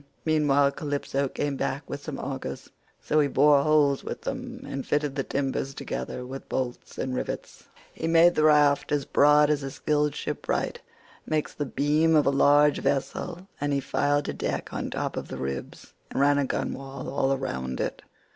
Meanwhile Calypso came back with some augers, so he bored holes with them and fitted the timbers together with bolts and rivets. He made the raft as broad as a skilled shipwright makes the beam of a large vessel, and he fixed a deck on top of the ribs, and ran a gunwale all round it.